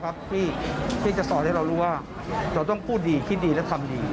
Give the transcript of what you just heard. ที่จะสอนให้เรารู้ว่าเราต้องพูดดีคิดดีและทำดี